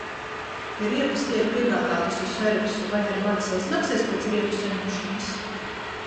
Ja riepas tiek piegādātas uz servisu, vai ar mani sazināsies pēc riepu saņemšanas?